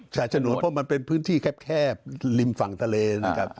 ฉะฉนวนเพราะมันเป็นพื้นที่แคบริมฝั่งทะเลนะครับ